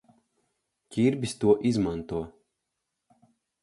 Ķirbis to izmanto.